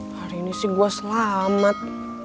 hari ini sih gue selamat